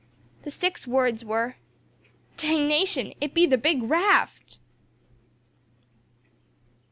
The six words were: "Dangnation! it be the big raft!"